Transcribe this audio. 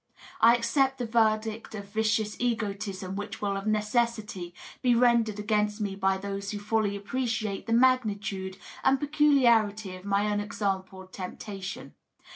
I accept the verdict of vicious egotism which will of necessity be rendered against me by those who fiiUy ap preciate the magnitude and peculiarity of my unexampled temptation.